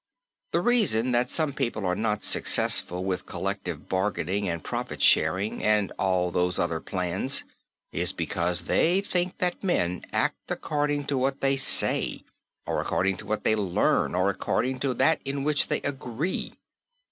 The reason that some people are not successful with collective bargaining and profit sharing and all these other plans is because they think that men act according to what they say, or according to what they learn, or according to that in which they agree.